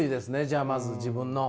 じゃあまず自分の。